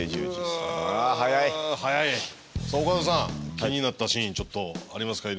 さあ岡田さん気になったシーンちょっとありますか？